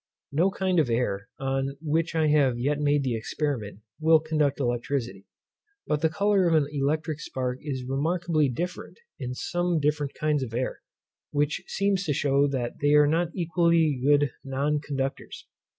No kind of air, on which I have yet made the experiment, will conduct electricity; but the colour of an electric spark is remarkably different in some different kinds of air, which seems to shew that they are not equally good non conductors.